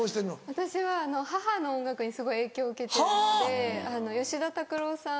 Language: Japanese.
私は母の音楽にすごい影響を受けてるので吉田拓郎さん